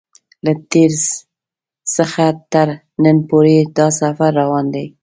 له تېر څخه تر نن پورې دا سفر روان دی.